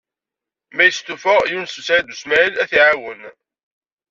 Ma yestufa Yunes u Saɛid u Smaɛil, ad t-iɛawen.